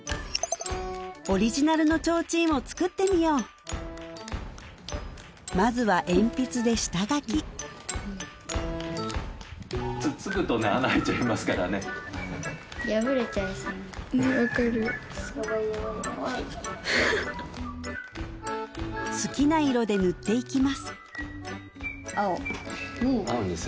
オリジナルの提灯を作ってみようまずは鉛筆で下がき好きな色で塗っていきます